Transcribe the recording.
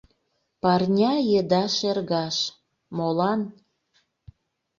Парня еда шергаш — молан?